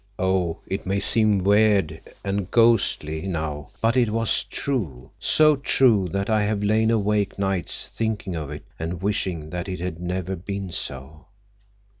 Oh, it may seem weird and ghostly now, but it was true—so true that I have lain awake nights thinking of it and wishing that it had never been so!"